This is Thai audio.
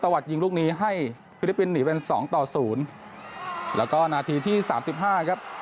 วัดยิงลูกนี้ให้ฟิลิปปินสหนีเป็นสองต่อศูนย์แล้วก็นาทีที่สามสิบห้าครับ